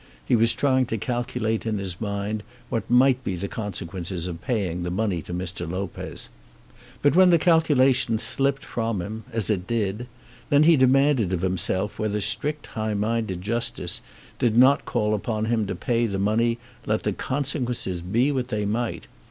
He was trying to calculate in his mind what might be the consequences of paying the money to Mr. Lopez. But when the calculation slipped from him, as it did, then he demanded of himself whether strict high minded justice did not call upon him to pay the money let the consequences be what they might.